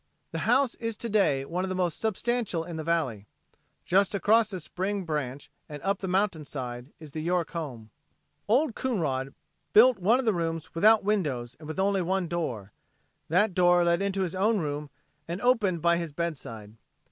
The house is to day one of the most substantial in the valley. Just across the spring branch and up the mountainside is the York home. Old Coonrod built one of the rooms without windows and with only one door. That door led into his own room and opened by his bedside.